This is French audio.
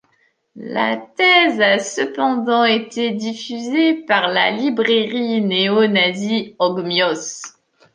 La thèse a cependant été diffusée par la librairie néo-nazie Ogmios.